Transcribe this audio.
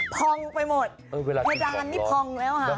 พองไปหมดเพดานนี่พองแล้วค่ะ